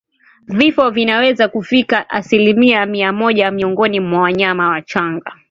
Vifo vinaweza kufika asilimia mia moja miongoni mwa wanyama wachanga